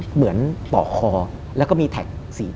เหมือนป่อคอแล้วก็มีแท็กสี